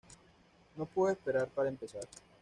No puedo esperar para empezar.